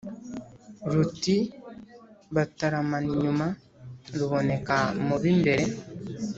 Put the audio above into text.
Ruti bataramana inyuma, ruboneka mu b'imbere,